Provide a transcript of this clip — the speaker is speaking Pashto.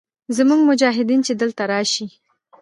زموږ مجاهدین چې دلته راشي.